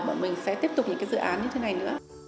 mà mình sẽ tiếp tục những dự án như thế này nữa